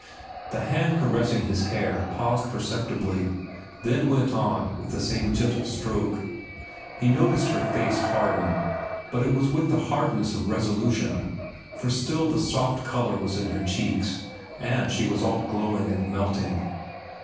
The hand caressing his hair paused perceptibly, then went on with the same gentle stroke. He noticed her face harden, but it was with the hardness of resolution, for still the soft color was in her cheeks and she was all glowing and melting.